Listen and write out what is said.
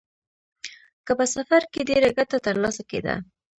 که په سفر کې ډېره ګټه ترلاسه کېده